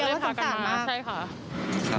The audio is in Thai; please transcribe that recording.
เอียงค่ะ